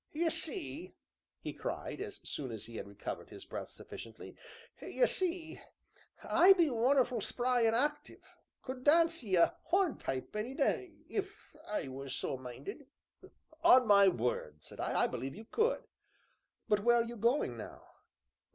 "Ye see," he cried, as soon as he had recovered his breath sufficiently, "ye see, I be wunnerful spry an' active could dance ye a hornpipe any day, if I was so minded." "On my word," said I, "I believe you could! But where are you going now?"